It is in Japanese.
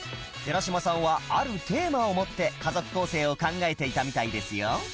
寺島さんはあるテーマを持って家族構成を考えていたみたいですよ